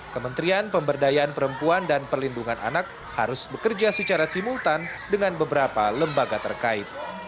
kementerian pemberdayaan perempuan dan perlindungan anak harus bekerja secara simultan dengan beberapa lembaga terkait